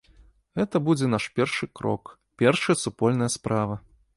Гэта будзе наш першы крок, першая супольная справа.